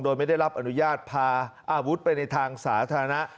โดยไม่ได้รับอนุญาตพาอาวุธไปในทางสาธารณะ